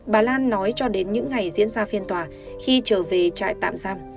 bà lan nói cho đến những ngày diễn ra phiên tòa khi trở về trại tạm giam